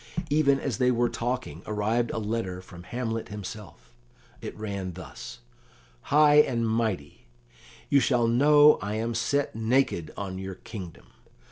Even as they were talking arrived a letter from Hamlet himself; it ran thus: "HIGH AND MIGHTY, "You shall know I am set naked on your kingdom.